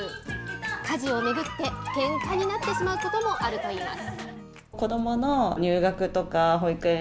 家事を巡って、けんかになってしまうこともあるといいます。